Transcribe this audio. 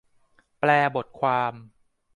แปลบทความ